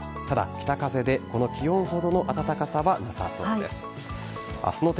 ただ、北風で、この気温ほどの暖かさはなさそうです。